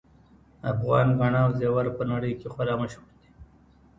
افغان ګاڼه او زیور په نړۍ کې خورا مشهور دي